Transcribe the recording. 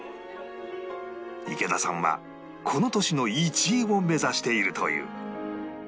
池田さんはこの年の１位を目指しているという